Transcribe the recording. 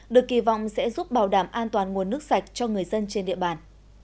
được kỳ vọng sẽ giúp bảo đảm an toàn nguồn nước sạch cho người dân trên địa bàn